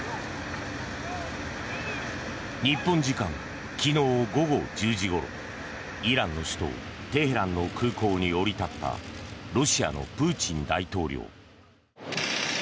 日本時間昨日午後１０時ごろイランの首都テヘランの空港に降り立ったロシアのプーチン大統領。